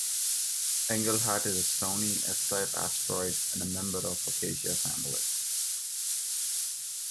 "Engelhardt" is a stony S-type asteroid and a member of the Phocaea family.